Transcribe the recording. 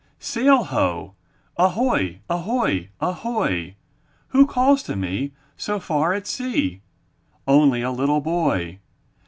Sail! Ho! Ahoy ! Ahoy ! Ahoy ! Who calls to me, So far at sea? Only a little boy!